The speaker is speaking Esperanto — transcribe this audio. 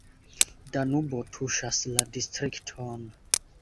Danubo tuŝas la distrikton.